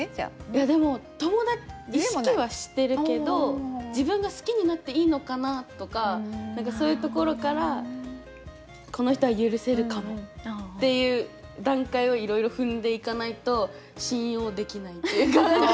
いやでも友達意識はしてるけど自分が好きになっていいのかな？とか何かそういうところからこの人は許せるかもっていう段階をいろいろ踏んでいかないと信用できないっていうか。